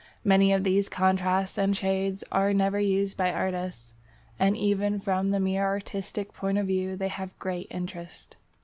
Many of these contrasts and shades are never used by artists, and even from the mere artistic point of view they have great interest.